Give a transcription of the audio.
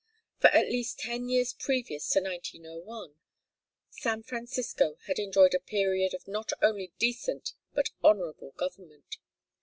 For at least ten years previous to 1901, San Francisco had enjoyed a period of not only decent but honorable government.